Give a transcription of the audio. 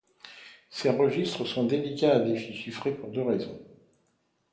Ces registres sont délicats à déchiffrer pour deux raisons.